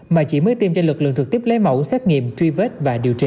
mà chỉ mới tiêm cho lực lượng trực tiếp lấy mẫu xét nghiệm truy vết và điều trị